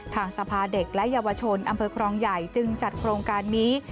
ทางสภาเด็กและเยาวชนอำเภอครองใหญ่จึงจัดโครงการนี้